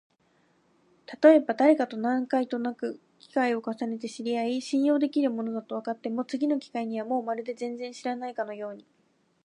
たとえばだれかと何回となく機会を重ねて知り合い、信用のできる者だとわかっても、次の機会にはもうまるで全然知らないかのように、